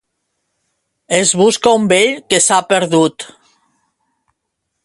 Es busca un vell que s'ha perdut.